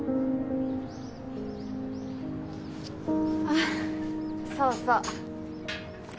あっそうそう。